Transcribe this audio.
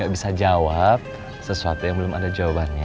bisa jawab sesuatu yang belum ada jawabannya